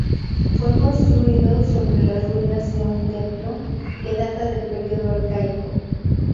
Fue construido sobre las ruinas de un templo que data del período Arcaico.